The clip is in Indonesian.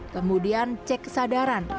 kemudian cek kesadaran